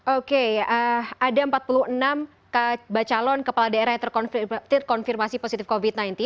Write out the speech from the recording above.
oke ada empat puluh enam bacalon kepala daerah yang terkonfirmasi positif covid sembilan belas